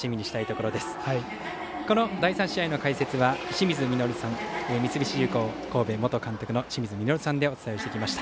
この試合の解説は三菱重工神戸元監督の清水稔さんとお伝えをしてきました。